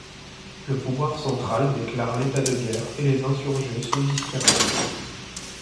Le pouvoir central déclare l'état de guerre et les insurgés sont dispersés.